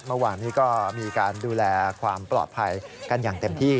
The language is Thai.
เมื่อวานนี้ก็มีการดูแลความปลอดภัยกันอย่างเต็มที่